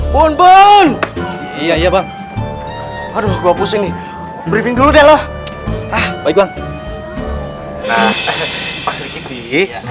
pun iya iya bang aduh gue pusing nih briefing dulu deh loh ah baiklah